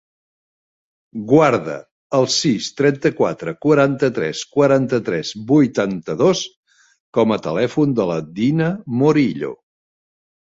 Guarda el sis, trenta-quatre, quaranta-tres, quaranta-tres, vuitanta-dos com a telèfon de la Dina Morillo.